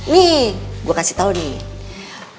nih gue kasih tau nih